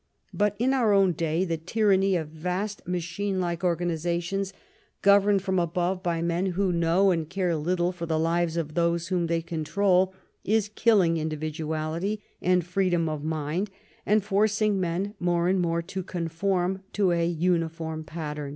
But in our own day the tyranny of vast machine like organizations, governed from above by men who know and care little for the lives of those whom they control, is killing individuality and freedom of mind, and forcing men more and more to conform to a uniform pattern.